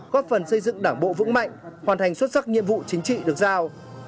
góp phần xây dựng đảng bộ vững mạnh hoàn thành xuất sắc nhiệm vụ chính trị được giao